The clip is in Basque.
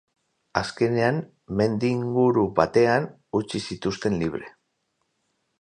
Azkenean, mendi inguru batean utzi zituzten libre.